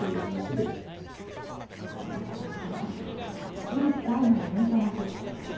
月１回のイベントの日。